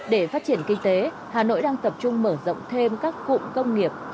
để phát triển kinh tế hà nội đang tập trung mở rộng thêm các cụm công nghiệp